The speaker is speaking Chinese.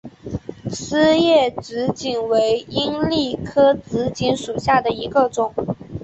丝叶紫堇为罂粟科紫堇属下的一个种。